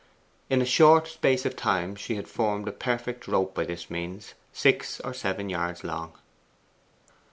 In a short space of time she had formed a perfect rope by this means, six or seven yards long.